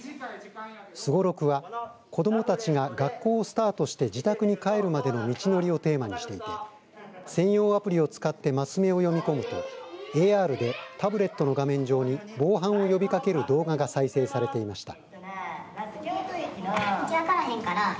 すごろくは子どもたちが学校をスタートして自宅に帰るまでの道のりをテーマにしていて専用アプリを使ってマス目を読み込むとＡＲでタブレットの画面上に防犯を呼びかける動画が再生されていました。